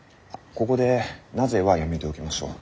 ここで「なぜ」はやめておきましょう。